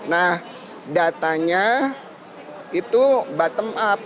nah datanya itu bottom up